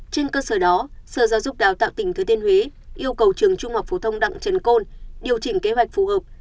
trên cơ sở đó sở giáo dục đào tạo tỉnh thừa thiên huế yêu cầu trường trung học phổ thông đặng trần côn điều chỉnh kế hoạch phù hợp